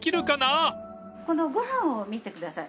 このご飯を見てください。